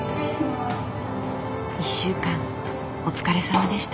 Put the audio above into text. １週間お疲れさまでした。